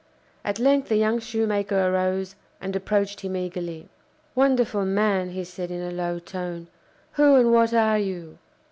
At length the young shoemaker arose and approached him eagerly. "Wonderful man!" he said, in a low tone. "Who and what are you?"